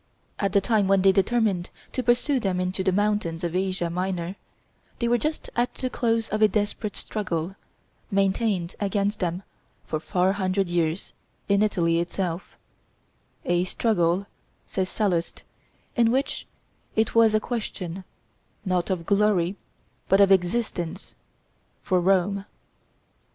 At the time when they determined to pursue them into the mountains of Asia Minor, they were just at the close of a desperate struggle, maintained against them for four hundred years, in Italy itself; "a struggle," says Sallust, "in which it was a question not of glory, but of existence, for Rome."